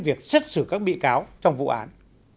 việc xét xử các bị cáo trong vụ án